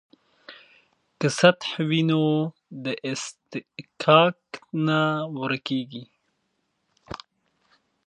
که سطح وي نو اصطکاک نه ورکیږي.